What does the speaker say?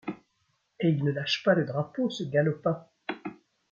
Et il ne lâche pas le drapeau, ce galopin !